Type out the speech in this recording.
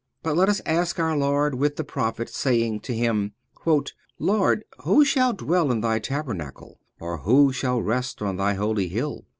But let us ask our Lord with the Prophet saying to Him: "Lord, who shall dwell in Thy tabernacle, or who shall rest on Thy holy hill?"